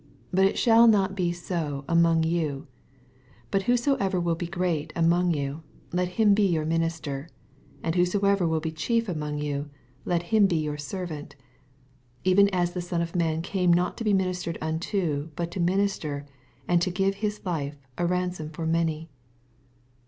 26 But it shall not be so among yon : but whosoever will be great a moDg you, let him be your minister : 27 And whosoever will be chief among you, let him be your ser« vant. 28 Even as the Son of man came not to be ministered unto, but to min ister, and to give his life a ransom for many.